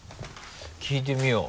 聞いてみよう。